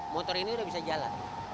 motor ini sudah bisa jalan